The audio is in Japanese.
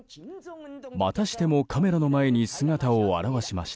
またしてもカメラの前に姿を現しました。